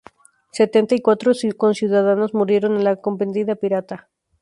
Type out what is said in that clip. Setenta y cuatro conciudadanos murieron en la acometida pirata.